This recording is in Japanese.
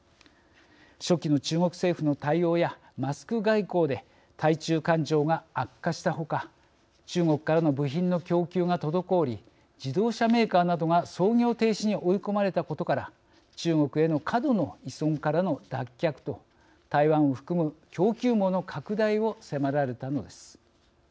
初期の中国政府の対応やマスク外交で対中感情が悪化したほか中国からの部品の供給が滞り自動車メーカーなどが操業停止に追い込まれたことから中国への過度の依存からの脱却と台湾を含む供給網の拡大を迫られたのです。